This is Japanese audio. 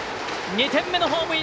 ２点目のホームイン！